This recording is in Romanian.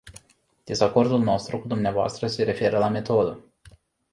Dezacordul nostru cu dvs. se referă la metodă.